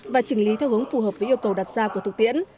và chỉnh lý theo hướng phù hợp với yêu cầu đặt ra của thực tiễn